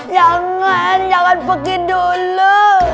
jangan jangan pergi dulu